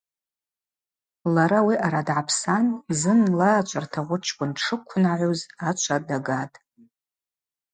Лара ауи аъара дгӏапсан, зынла ачвартагъвы чкӏвын дшыквынгӏуз, ачва дагатӏ.